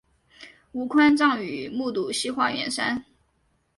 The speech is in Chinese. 吴宽葬于木渎西花园山。